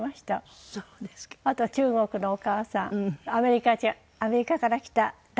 あとは中国のお母さんアメリカから来た男性も。